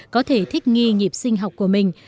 có thể thích nghi nhịp sinh học của mình